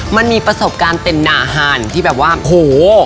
มันมีประสบการณ์เป็นหนาฮานที่แบบว่าโห